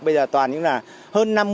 bây giờ toàn những là hơn năm mươi